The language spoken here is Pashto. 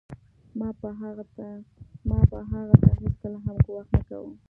ما به هغه ته هېڅکله هم ګواښ نه کاوه